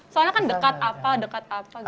soalnya kan dekat apa dekat apa gitu